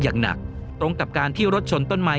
อย่างหนักตรงกับการที่รถชนต้นไม้